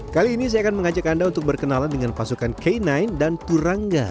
kali ini saya akan mengajak anda untuk berkenalan dengan pasukan k sembilan dan turangga